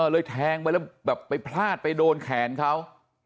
แทงไปแล้วแบบไปพลาดไปโดนแขนเขา